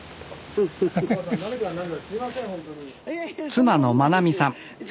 妻の真奈美さん。